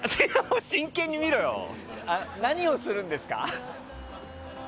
何をするんですか？